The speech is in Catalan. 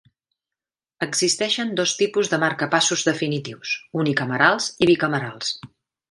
Existeixen dos tipus de marcapassos definitius: unicamerals i bicamerals.